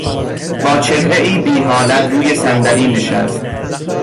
با چهرهای بیحالت روی صندلی نشست.